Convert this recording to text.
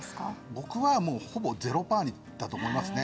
僕はもうほぼ０％だと思いますね。